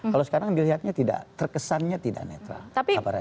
kalau sekarang terkesannya tidak netral